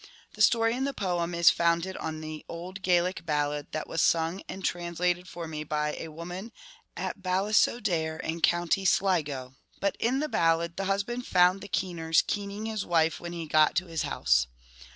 The story in the poem is founded on an old Gaelic ballad that was sung and trans lated for me by a woman at Ballisodare in County Sligo; but in the ballad the husband found the keeners keening his wife when he got to his house.